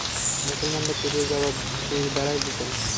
মুসলমানরা তীরের জবাব তীর দ্বারাই দিতেন।